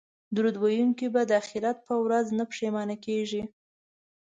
درود ویونکی به د اخرت په ورځ نه پښیمانه کیږي